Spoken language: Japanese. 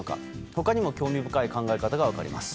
他にも興味深い考え方が分かります。